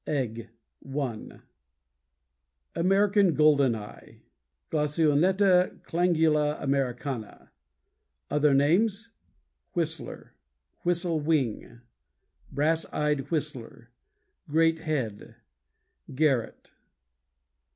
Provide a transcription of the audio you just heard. EGG One. Page 230. =AMERICAN GOLDEN EYE= Glaucionetta clangula americana. Other names: Whistler, Whistle Wing, Brass eyed Whistler, Great Head, Garrot.